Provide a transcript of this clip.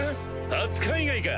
初海外か？